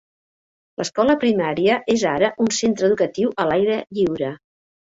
L'escola primària és ara un centre educatiu a l'aire lliure.